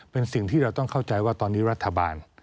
เป็นสิ่งที่เราต้องเข้าใจว่าตอนนี้รัฐบาล